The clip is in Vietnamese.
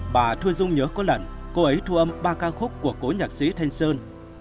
bà thu dung nhớ có lần cô ấy thu âm ba ca khúc của cổ nhạc sĩ thanh sơn